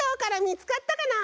みつかったかな？